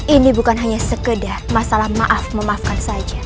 ini bukan hanya sekedar masalah maaf memaafkan saja